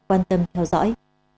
quan tâm theo dõi